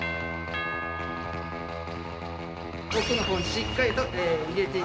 奥の方にしっかりと入れて。